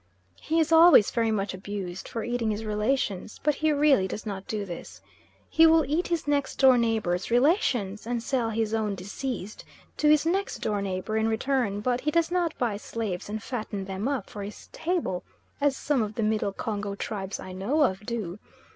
He is always very much abused for eating his relations, but he really does not do this. He will eat his next door neighbour's relations and sell his own deceased to his next door neighbour in return; but he does not buy slaves and fatten them up for his table as some of the Middle Congo tribes I know of do.